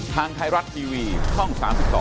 ทางไทยรัฐทีวีช่อง๓๒